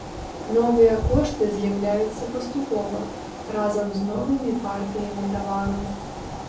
Новыя кошты з'яўляюцца паступова, разам з новымі партыямі тавару.